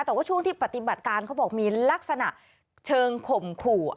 แต่ว่าช่วงที่ปฏิบัติการเขาบอกมีลักษณะเชิงข่มขู่